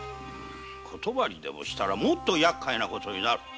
断りでもしたらもっとやっかいな事になる。